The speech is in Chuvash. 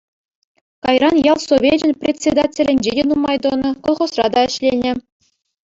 Кайран ял совечӗн председателӗнче те нумай тӑнӑ, колхозра та ӗҫленӗ.